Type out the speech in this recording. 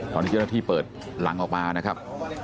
ตอนนี้เจ้าหน้าที่เปิดหลังออกมานะครับ